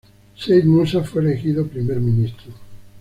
Said Musa fue elegido Primer ministro.